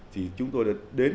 thì chúng tôi đã đến